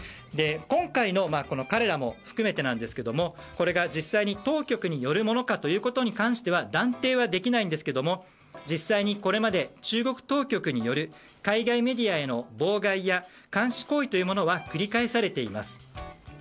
今回の彼らも含めてなんですがこれが実際に当局によるものかということに関しては断定はできないんですけども実際にこれまで中国当局による海外メディアへの妨害や監視行為というものは繰り返されています。